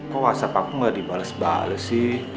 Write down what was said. kok whatsapp aku nggak dibalas balas sih